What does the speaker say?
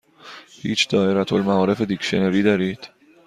هیچ دائره المعارف دیکشنری دارید؟